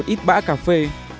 một ít bã cà phê